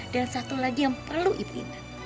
dan satu lagi yang perlu ibu ina